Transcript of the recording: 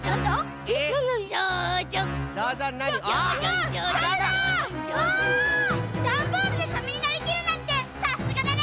だんボールでサメになりきるなんてさすがだね！